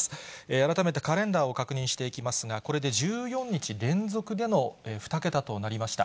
改めてカレンダーを確認していきますが、これで１４日連続での２桁となりました。